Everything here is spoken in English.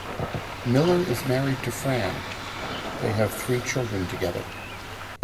Miller is married to Fran, they have three children together.